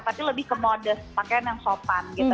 tapi lebih ke modest pakaian yang sopan gitu